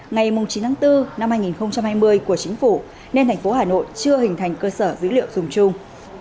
hai nghìn hai mươi ngày chín tháng bốn năm hai nghìn hai mươi của chính phủ nên thành phố hà nội chưa hình thành cơ sở dữ liệu dùng chung